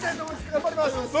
◆頑張ります。